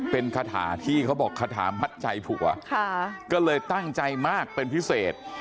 เป็นคาถาที่เขาบอกคาถามัดใจผัวก็เลยตั้งใจมากเป็นพิเศษ